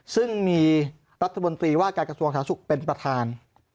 ซึ่งมีรัฐมนตรีว่าการกระทรวงสาธารสุขเป็นประธาน